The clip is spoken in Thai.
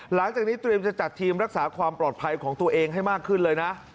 หลังจากนี้เตรียมจะจัดทีมรักษาความปลอดภัยของตัวเองให้มากขึ้นเลยนะ